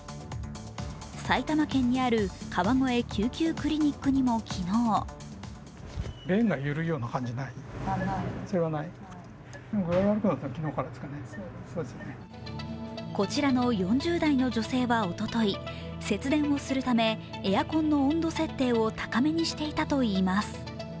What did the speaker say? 埼玉県にある川越救急クリニックにも昨日こちらの４０代の女性はおととい節電をするためエアコンの温度設定を高めにしていたといいます。